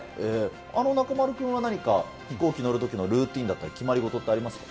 中丸君は何か、飛行機乗るときのルーティンだったり、決まり事ってありますか。